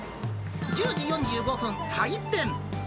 １０時４５分、開店。